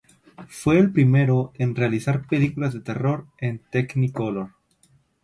Fue el primero en realizar películas de terror en Technicolor.